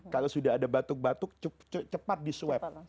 kalau sudah ada batuk batuk cepat disuap